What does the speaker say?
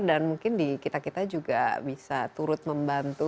dan mungkin kita kita juga bisa turut membantu